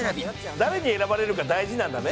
誰に選ばれるか大事なんだね。